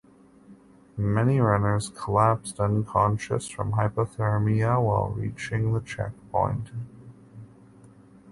Many runners collapsed unconscious from hypothermia while reaching the checkpoint.